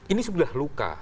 ini sudah luka